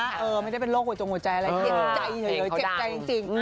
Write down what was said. ไฮะไม่ได้เป็นโรคร่วงหัวใจแหละเจ็บใจเยอะเลยเจ็บใจจริง